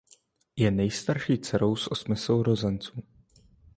Je nejstarší dcerou z osmi sourozenců.